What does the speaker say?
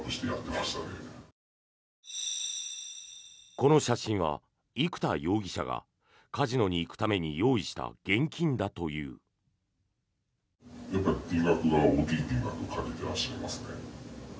この写真は生田容疑者がカジノに行くために用意した現金だという。